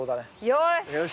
よし！